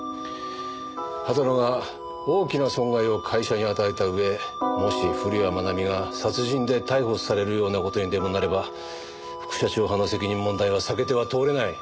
畑野が大きな損害を会社に与えた上もし古谷愛美が殺人で逮捕されるような事にでもなれば副社長派の責任問題は避けては通れない。